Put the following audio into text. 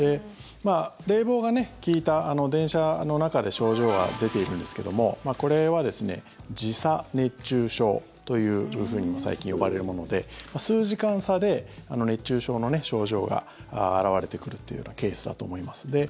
冷房が利いた電車の中で症状が出ているんですけどもこれは時差熱中症というふうにも最近呼ばれるもので数時間差で熱中症の症状が現れてくるというようなケースだと思います。